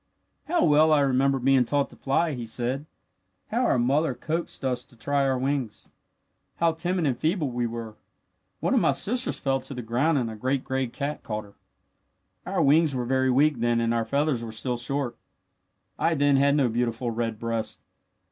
"How well I remember being taught to fly," he said. "How our mother coaxed us to try our wings. How timid and feeble we were One of my sisters fell to the ground and a great gray cat caught her. "Our wings were very weak then and our feathers were still short. I then had no beautiful red breast.